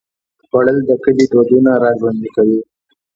خوړل د کلي دودونه راژوندي کوي